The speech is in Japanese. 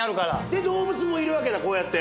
で動物もいるわけだこうやって。